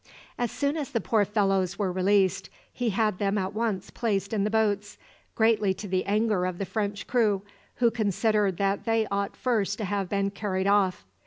As soon as the poor fellows were released, he had them at once placed in the boats, greatly to the anger of the French crew, who considered that they ought first to have been carried off.